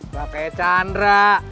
gak kayak chandra